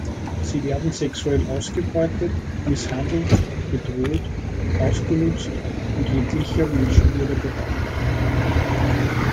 Sie werden sexuell ausgebeutet, misshandelt, bedroht, ausgenutzt und jeglicher Menschenwürde beraubt.